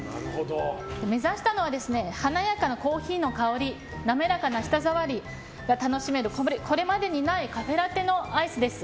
目指したのは華やかなコーヒーの香り滑らかな舌触りが楽しめるこれまでにないカフェラテのアイスです。